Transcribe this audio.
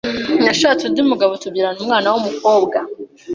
Nashatse undi mugabo, tubyarana umwana w’umukobwa.